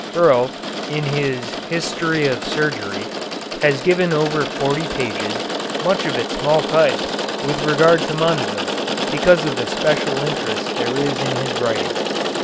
Gurlt, in his "History of Surgery," has given over forty pages, much of it small type, with regard to Mondeville, because of the special interest there is in his writing.